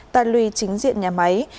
ta lùi chính diện nhà máy